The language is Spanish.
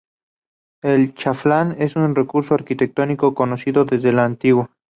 El chaflán es un recurso arquitectónico conocido desde antiguo.